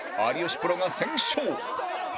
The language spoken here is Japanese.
プロが先勝！